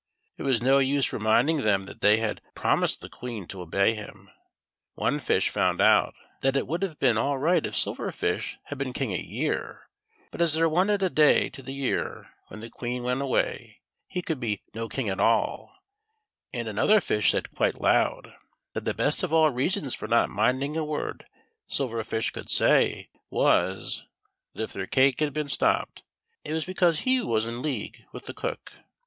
It was no use reminding them that thc>' had promised the Queen to obey him. One fish found out that it would have been all right if Silver Fish had been King a \ ear ; but as there wanted a tla)^ to the year when the Queen went away, he could be no King at all : and another fish said quite loud, that the best of all reasons for not minding a word Silver Fish could say was, that if their cake had been stopped, it was because he was in a league with the cook.